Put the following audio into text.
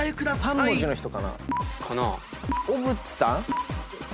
３文字の人かな？